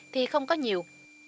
thì không có nhiều